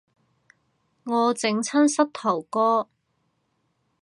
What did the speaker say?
我整親膝頭哥